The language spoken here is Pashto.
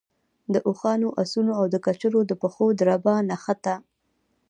د اوښانو، آسونو او د کچرو د پښو دربا نه خته.